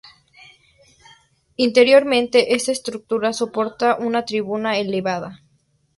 Interiormente esta estructura soporta una tribuna elevada.